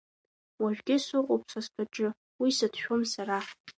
Уажәгьы сыҟоуп са стәаҿы, уи сацәшәом сара!